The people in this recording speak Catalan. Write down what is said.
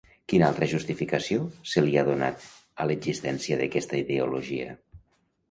Quina altra justificació se li ha donat a l'existència d'aquesta ideologia?